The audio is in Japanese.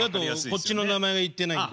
こっちの名前は言ってないんで。